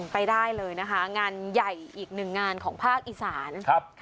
ไปได้เลยนะคะงานใหญ่อีกหนึ่งงานของภาคอีสาน